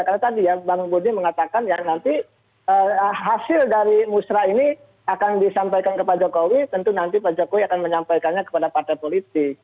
karena tadi ya bang budi mengatakan ya nanti hasil dari musrah ini akan disampaikan kepada jokowi tentu nanti pak jokowi akan menyampaikannya kepada partai politik